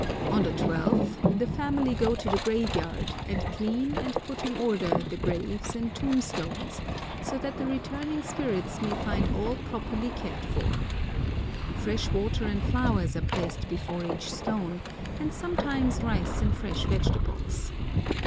On the twelfth, the family go to the graveyard and clean and put in order the graves and tombstones, so that the returning spirits may find all properly cared for. Fresh water and flowers are placed before each stone, and sometimes rice and fresh vegetables.